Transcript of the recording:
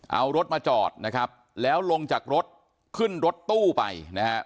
เอารถมาจอดนะครับแล้วลงจากรถขึ้นรถตู้ไปนะฮะ